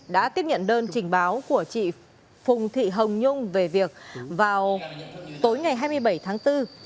đã tiếp nhận đơn trình báo của chị phùng thị hồng nhung về việc vào tối ngày hai mươi bảy tháng bốn